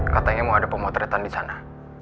katanya mau ada pemotretan disana